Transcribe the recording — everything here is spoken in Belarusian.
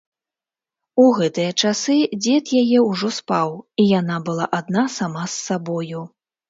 У гэтыя часы дзед яе ўжо спаў, і яна была адна сама з сабою.